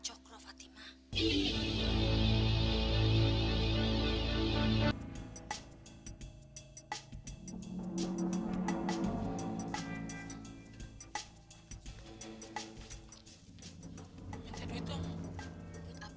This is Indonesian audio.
c sungguh ngakumyu ama cek web